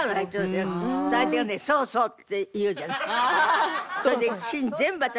すると相手が「そうそう」って言うじゃない。